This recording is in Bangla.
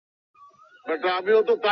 জন্ম ঢাকায়।